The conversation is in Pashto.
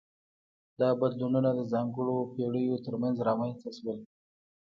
دا بدلونونه د ځانګړو پیړیو ترمنځ رامنځته شول.